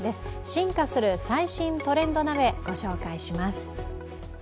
進化する最新トレンド鍋、ご紹介します。